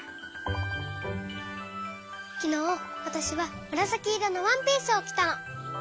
きのうわたしはむらさきいろのワンピースをきたの。